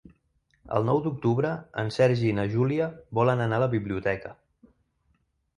El nou d'octubre en Sergi i na Júlia volen anar a la biblioteca.